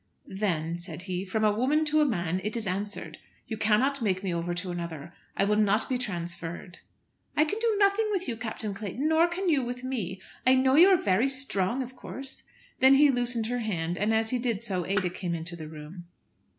"Then," said he, "from a woman to a man it is answered. You cannot make me over to another. I will not be transferred." "I can do nothing with you, Captain Clayton, nor can you with me. I know you are very strong of course." Then he loosened her hand, and as he did so Ada came into the room.